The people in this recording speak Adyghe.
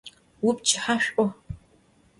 Vuipçıhe ş'u!